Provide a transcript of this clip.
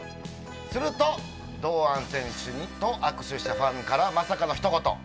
すると、堂安選手と握手したファンからまさかの一言。